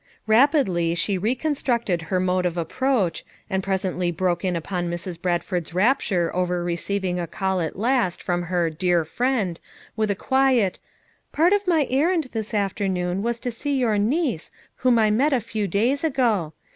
Rapidly she reconstructed her mode of ap proach, and presently broke in upon Mrs. Brad ford's rapture over receiving a call at last from her "dear friend," with a quiet: "Part of my errand" this afternoon was to see your niece whom I met a few days ago.